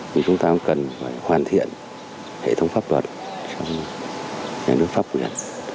thì chúng ta cũng cần hoàn thiện hệ thống pháp luật trong nhà nước pháp quyền